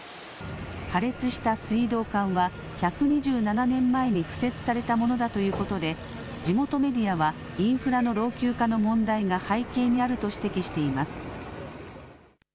破裂した水道管は１２７年前に敷設されたものだということで地元メディアはインフラの老朽化の問題が背景にあると指摘しています。